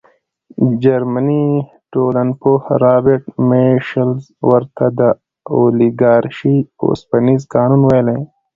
جرمني ټولنپوه رابرټ میشلز ورته د اولیګارشۍ اوسپنیز قانون ویلي.